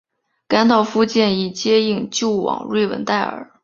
甘道夫建议接应救往瑞文戴尔。